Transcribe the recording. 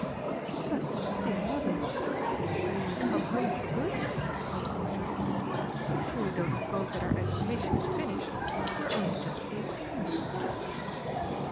"But, dear mother, did you say we had come home for good?" cried Marjorie. "You surely don't suppose that our education is finished? We are only just eighteen."